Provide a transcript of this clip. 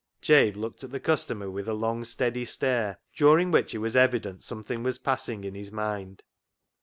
Jabe looked at the customer with a long, steady stare, during which it was evident something was passing in his mind.